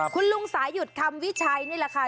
คุณลุงสายุทธ์คำวิชัยนี่แหละค่ะ